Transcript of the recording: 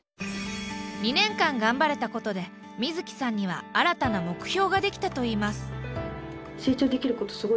２年間頑張れたことで瑞樹さんには新たな目標ができたといいます。